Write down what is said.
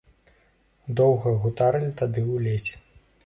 Доўга гутарылі тады ў лесе.